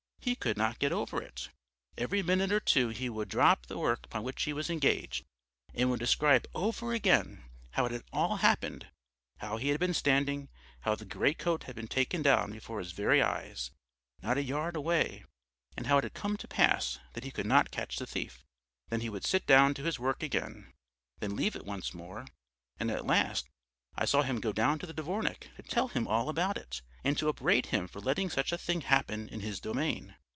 He could not get over it. Every minute or two he would drop the work upon which he was engaged, and would describe over again how it had all happened, how he had been standing, how the greatcoat had been taken down before his very eyes, not a yard away, and how it had come to pass that he could not catch the thief. Then he would sit down to his work again, then leave it once more, and at last I saw him go down to the dvornik to tell him all about it, and to upbraid him for letting such a thing happen in his domain.